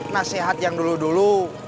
nasehat yang dulu dulu